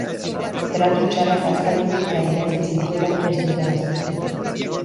Tratu txarrak aspalditik pairatzen zituela ez dute baztertu.